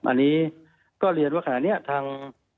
อันนี้ก็เรียนว่าขณะนี้ทาง